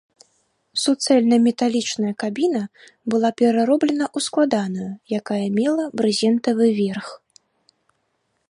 Суцэльнаметалічная кабіна была перароблена ў складаную, якая мела брызентавы верх.